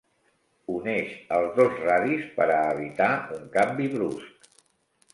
Uneix els dos radis per a evitar un canvi brusc.